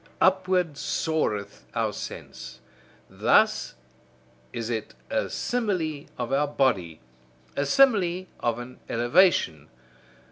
Upward soareth our sense: thus is it a simile of our body, a simile of an elevation.